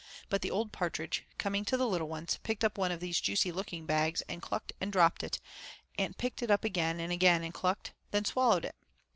But the old partridge, coming to the little ones, picked up one of these juicy looking bags and clucked and dropped it, and picked it up again and again and clucked, then swallowed it.